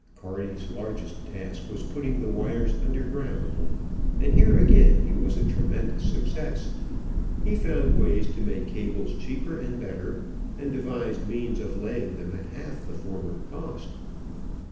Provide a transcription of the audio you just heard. Carty's largest task was putting the wires underground, and here again he was a tremendous success. He found ways to make cables cheaper and better, and devised means of laying them at half the former cost.